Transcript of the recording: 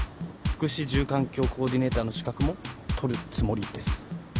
福祉住環境コーディネーターの資格も取るつもりです。